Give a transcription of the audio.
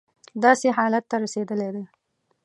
داسې حالت ته رسېدلی دی.